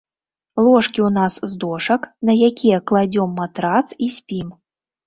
Ложкі ў нас з дошак, на якія кладзём матрац і спім.